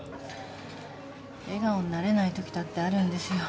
笑顔になれないときだってあるんですよ。